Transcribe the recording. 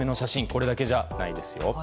これだけじゃないんですよ。